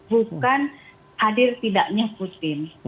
bukan hadir tidaknya putin